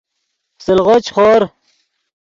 سلغو چے خور